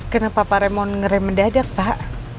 kenapa pak rem mau ngerem mendadak pak